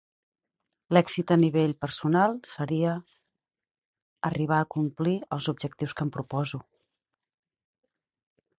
L'èxit a nivell personal seria arribar a complir els objectius que em proposo.